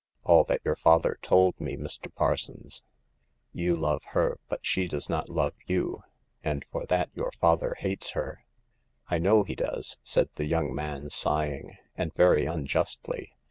" All that your father told me, Mr. Parsons. You love her, but she does not love you ; and for that your father hates her. " I know he does," said the young man, sighing, " and very unjustly.